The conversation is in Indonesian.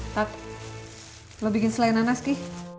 tak lo bikin selai nanas ki